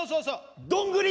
どんぐり！